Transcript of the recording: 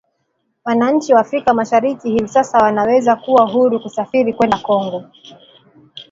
Wananchi wa Afrika Mashariki hivi sasa wanaweza kuwa huru kusafiri kwenda Congo